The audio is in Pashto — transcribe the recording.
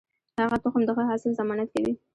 ښه تخم د ښه حاصل ضمانت کوي.